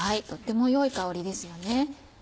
とっても良い香りですよね。